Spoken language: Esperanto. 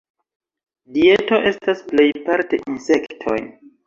Dieto estas plejparte insektoj.